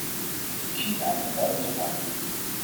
Ik zie daar een duidelijk gevaar in.